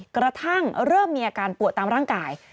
กระทั่งเริ่มมีอาการปวดตามร่างกาย